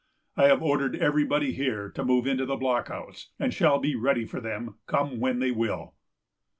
I have ordered everybody here to move into the blockhouse, and shall be ready for them, come when they will."